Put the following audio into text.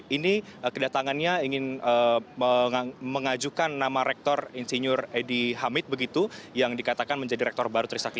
ini kedatangannya ingin mengajukan nama rektor insinyur edi hamid begitu yang dikatakan menjadi rektor baru trisakti